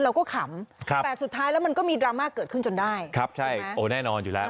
ขำครับแต่สุดท้ายแล้วมันก็มีดราม่าเกิดขึ้นจนได้ครับใช่โอ้แน่นอนอยู่แล้ว